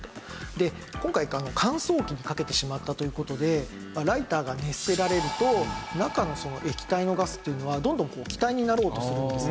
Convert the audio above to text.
で今回乾燥機にかけてしまったという事でライターが熱せられると中のその液体のガスっていうのはどんどん気体になろうとするんですね。